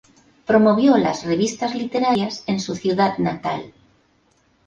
Promovió las revistas literarias en su ciudad natal.